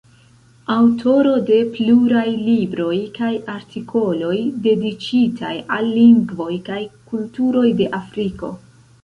Aŭtoro de pluraj libroj kaj artikoloj dediĉitaj al lingvoj kaj kulturoj de Afriko.